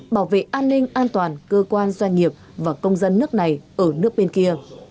bảo vệ an ninh an toàn cơ quan doanh nghiệp và công dân nước này ở nước bên kia